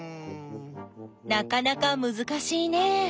なかなかむずかしいね。